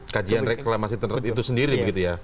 kajian reklamasi itu sendiri begitu ya